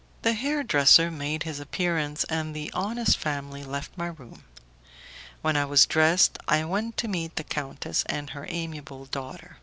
The hair dresser made his appearance, and the honest family left my room. When I was dressed I went to meet the countess and her amiable daughter.